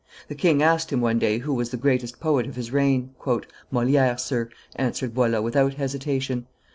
The king asked him one day who was the greatest poet of his reign. "Moliere, sir," answered Boileau, without hesitation.